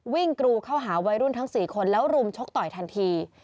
กรูเข้าหาวัยรุ่นทั้ง๔คนแล้วรุมชกต่อยทันที